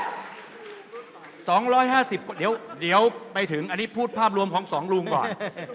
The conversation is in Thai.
๒๕๐เดี๋ยวไปถึงอันนี้พูดภาพรวมของสองลุงก่อน